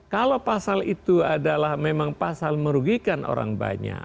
kalau pasal itu adalah memang pasal merugikan orang banyak